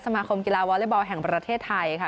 สมาคมกีฬาวอเล็กบอลแห่งประเทศไทยค่ะ